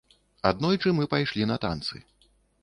Аднойчы мы пайшлі на танцы.